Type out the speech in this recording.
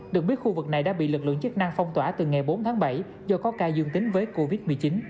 được biết khu vực này đã bị lực lượng chức năng phong tỏa từ ngày bốn tháng bảy do có ca dương tính với covid một mươi chín